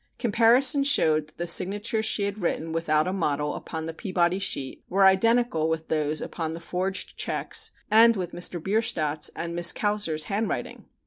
Comparison showed that the signatures she had written without a model upon the Peabody sheet were identical with those upon the forged checks (Fig. 6) and with Mr. Bierstadt's and Miss Kauser's handwriting.